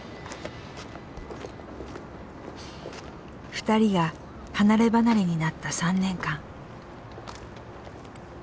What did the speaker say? ２人が離ればなれになった３年間。